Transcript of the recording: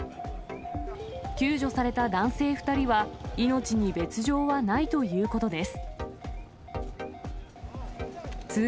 救助された男性２人は、命に別状はないということです。